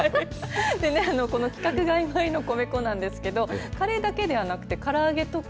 この規格外米の米粉なんですがカレーだけではなくてから揚げとか